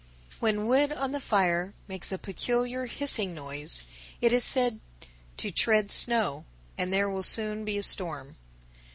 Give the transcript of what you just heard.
_ 1055. When wood on the fire makes a peculiar hissing noise, it is said "to tread snow," and there will soon be a storm.